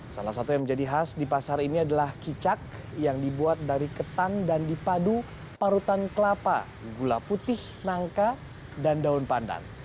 salah satu yang menjadi khas di pasar ini adalah kicak yang dibuat dari ketan dan dipadu parutan kelapa gula putih nangka dan daun pandan